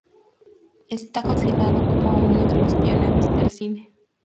Está considerado como uno de los pioneros del cine.